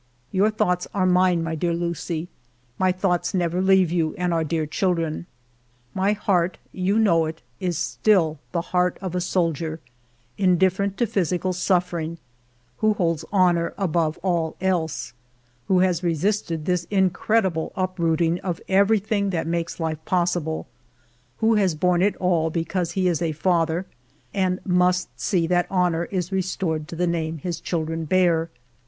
"Your thoughts are mine, my dear Lucie; my thoughts never leave you and our dear children. " My heart — you know it — is still the heart of a soldier, indifferent to physical suffering, who holds honor above all else ; who has resisted this incredible uprooting of everything that makes life possible ; who has borne it all because he is a father, and must see that honor is restored to the name his children be^r.